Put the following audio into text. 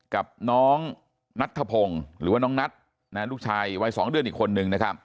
กับน้องนัทธพงศ์หรือว่าน้องนัทลูกชายวัย๒เดือนอีกคนนึงนะครับ